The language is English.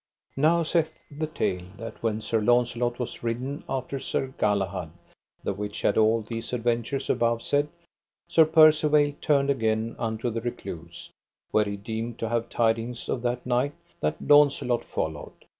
Now saith the tale, that when Sir Launcelot was ridden after Sir Galahad, the which had all these adventures above said, Sir Percivale turned again unto the recluse, where he deemed to have tidings of that knight that Launcelot followed.